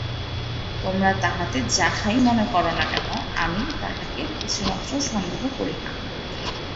তোমরা তাঁহাকে যাহাই মনে কর-না কেন, আমি তাঁহাকে কিছুমাত্র সন্দেহ করি না।